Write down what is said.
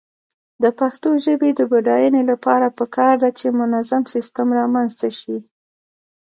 د پښتو ژبې د بډاینې لپاره پکار ده چې منظم سیسټم رامنځته شي.